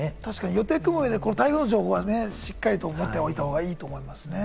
予定を組む上で台風の情報はしっかり持っておいた方がいいですね。